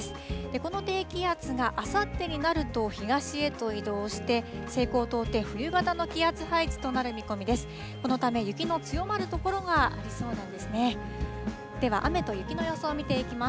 この低気圧があさってになると、東へと移動して、西高東低、冬型の気圧配置となる見込みです。